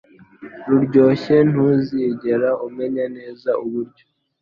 Ruryoshye Ntuzigera umenya neza uburyo